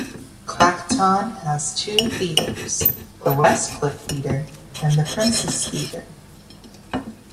Clacton has two theatres, the West Cliff Theatre and the Princes Theatre.